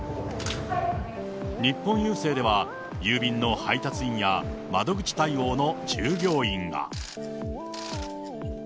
日本郵政では、郵便の配達員や、窓口対応の従業員が。